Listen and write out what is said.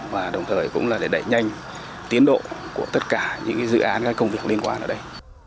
và đồng thời cũng là để đẩy nhanh tiến độ của tất cả những dự án các công việc liên quan ở đây